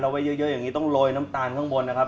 ไว้เยอะอย่างนี้ต้องโรยน้ำตาลข้างบนนะครับ